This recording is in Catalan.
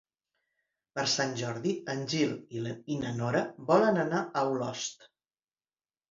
Per Sant Jordi en Gil i na Nora volen anar a Olost.